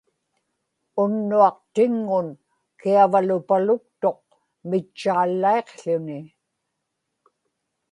unnuaq tiŋŋun kiavalupaluktuq, mitchaallaiqł̣uni